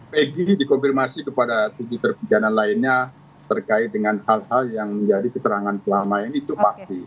pegi dikonfirmasi kepada tujuh terpidana lainnya terkait dengan hal hal yang menjadi keterangan selama ini itu pasti